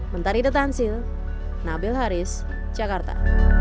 mentari the tansil nabil haris jakarta